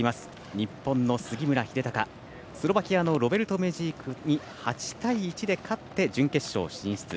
日本の杉村英孝スロバキアのロベルト・メジークに８対１で勝って準決勝進出。